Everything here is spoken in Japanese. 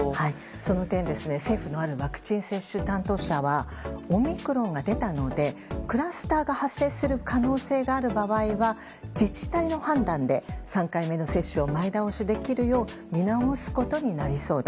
その点、政府のあるワクチン接種担当者はオミクロンが出たのでクラスターが発生する可能性がある場合は自治体の判断で３回目の接種を前倒しできるよう見直すことになりそうだ。